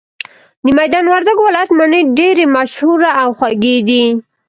د ميدان وردګو ولايت مڼي ډيري مشهوره او خوږې دي